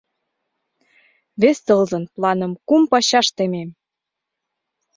Вес тылзын планым кум пачаш темем!